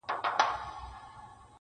ورکړې یې بوسه نه ده وعده یې د بوسې ده,